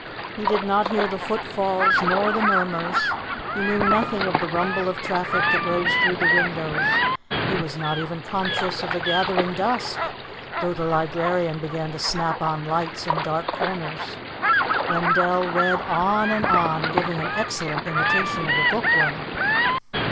He did not hear the footfalls nor the murmurs; he knew nothing of the rumble of traffic that rose through the windows; he was not even conscious of gathering dusk, though the librarian began to snap on lights in dark corners. Wendell read on and on, giving an excellent imitation of a bookworm.